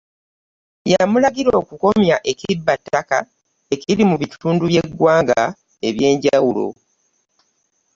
Yamulagira okukomya ekibbattaka ekiri mu bitundu by'eggwanga eby'enjawulo